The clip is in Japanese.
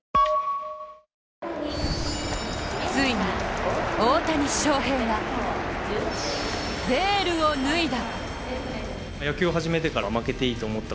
ついに、大谷翔平がベールを脱いだ！